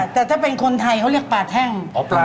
แต่ถ้าเป็นคนไทยเขาเรียกปลาแท่ง